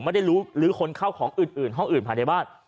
ไม่ได้ลื้อคนเข้าของอื่นห้องอื่นภายในบ้าน